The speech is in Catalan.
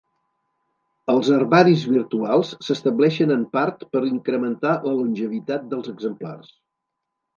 Els herbaris virtuals s'estableixen en part per incrementar la longevitat dels exemplars.